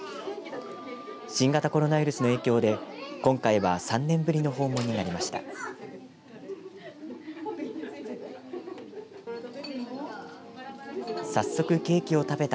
新型コロナウイルスの影響で今回は３年ぶりの訪問になりました。